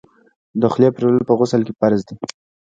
د خولې پریولل په غسل کي فرض دي.